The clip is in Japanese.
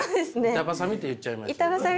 板挟みって言っちゃいましたね。